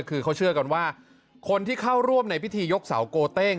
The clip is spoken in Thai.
คือเขาเชื่อกันว่าคนที่เข้าร่วมในพิธียกเสาโกเต้ง